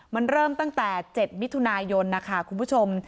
มันเริ่มตั้งแต่๗มิถุนายนนะคะคุณผู้ชม